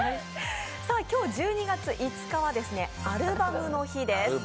今日１２月５日はアルバムの日です。